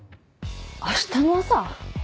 あしたの朝！？